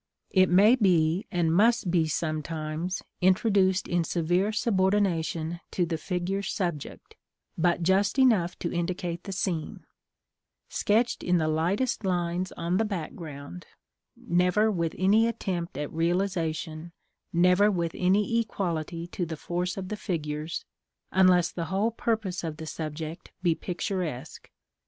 It may be, and must be sometimes, introduced in severe subordination to the figure subject, but just enough to indicate the scene; sketched in the lightest lines on the background; never with any attempt at realisation, never with any equality to the force of the figures, unless the whole purpose of the subject be picturesque.